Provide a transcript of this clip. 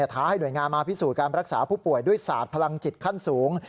ท้าให้หน่วยงานมาพิสูจน์การรักษาผู้ป่วยด้วยศาสตร์พลังจิตขั้นสูง